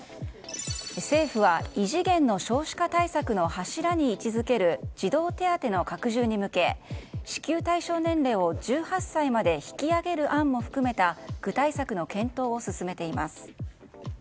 政府は異次元の少子化対策の柱に位置付ける児童手当の拡充に向け支給対象年齢を１８歳まで引き上げる案も含めた具体策の検討を進めています。